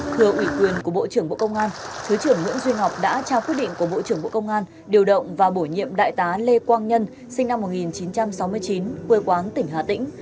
thưa ủy quyền của bộ trưởng bộ công an thứ trưởng nguyễn duy ngọc đã trao quyết định của bộ trưởng bộ công an điều động và bổ nhiệm đại tá lê quang nhân sinh năm một nghìn chín trăm sáu mươi chín quê quán tỉnh hà tĩnh